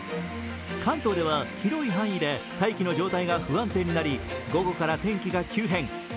関東では広い範囲で大気の状態が不安定になり午後から天気が急変。